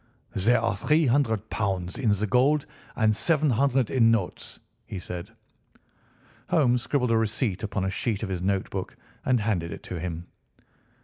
"There are three hundred pounds in gold and seven hundred in notes," he said. Holmes scribbled a receipt upon a sheet of his note book and handed it to him.